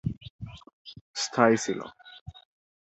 স্থায়ী ছিল।